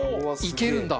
いけるんだ。